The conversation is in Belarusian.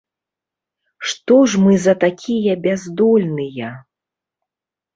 Што ж мы за такія бяздольныя?